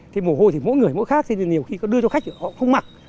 thì mùa hôi thì mỗi người mỗi khác thì nhiều khi có đưa cho khách họ không mặc